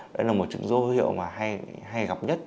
đó là một trong những dấu hiệu hay gặp nhất